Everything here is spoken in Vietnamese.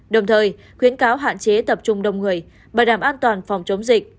đồng thời khuyến cáo hạn chế tập trung đông người bảo đảm an toàn phòng chống dịch